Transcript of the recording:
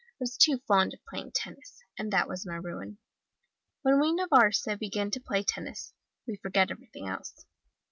I was too fond of playing tennis, and that was my ruin. When we Navarrese begin to play tennis, we forget everything else.